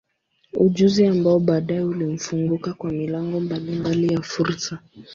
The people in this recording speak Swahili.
Ujuzi ambao baadaye ulimfunguka kwa milango mbalimbali ya fursa.